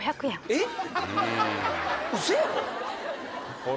えっ！？